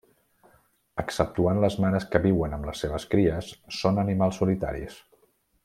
Exceptuant les mares que viuen amb les seves cries, són animals solitaris.